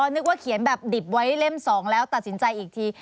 นึกว่าเขียนแบบดิบไว้เล่ม๒แล้วตัดสินใจอีกที